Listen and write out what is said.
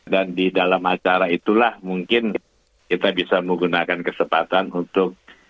dan di dalam acara itulah mungkin kita bisa menggunakan kesempatan untuk